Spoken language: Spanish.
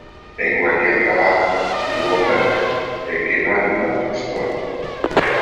En cualquier trabajo u obra, el que no ayuda estorba.